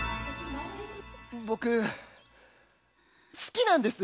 僕、好きなんです！